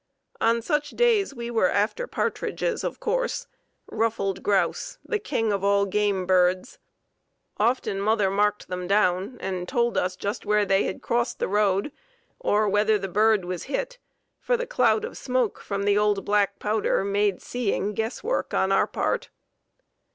On such days we were after partridges, of course, ruffed grouse, the king of all game birds. Often mother marked them down and told us just where they had crossed the road, or whether the bird was hit, for the cloud of smoke from the old black powder made seeing guesswork on our part.